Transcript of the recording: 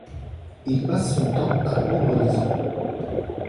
Il passe son temps à pondre des œufs.